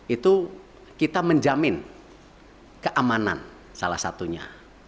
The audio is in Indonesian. itu kita menjamin keamanan salah satunya